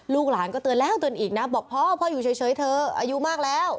ลูกหลานก็เตือนแล้วเตือนอีกนะบอกพ่อพ่ออยู่เฉยเธออายุมากแล้ว